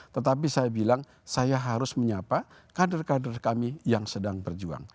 tetapi saya bilang saya harus menyapa kader kader kami yang sedang berjuang